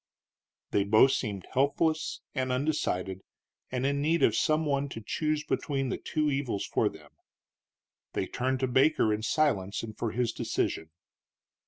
They both seemed helpless and undecided, and in need of some one to choose between two evils for them. They turned to Baker in silence and for his decision.